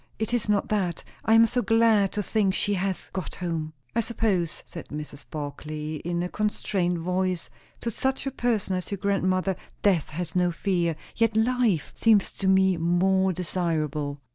It is not that. I am so glad to think she has got home!" "I suppose," said Mrs. Barclay in a constrained voice, "to such a person as your grandmother, death has no fear. Yet life seems to me more desirable."